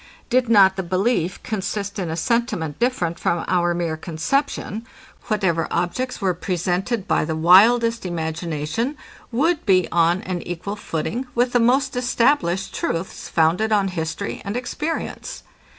Did not the belief consist in a sentiment different from our mere conception, whatever objects were presented by the wildest imagination, would be on an equal footing with the most established truths founded on history and experience.